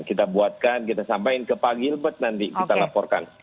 kita buatkan kita sampaikan ke pak gilbert nanti kita laporkan